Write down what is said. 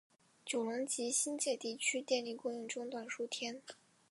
九龙及新界地区电力供应中断数天。